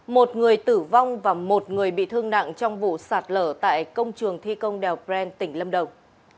một người tử vong và một người bị thương nặng trong vụ sạt lở tại công trường thi công đèo bren tỉnh lâm đồng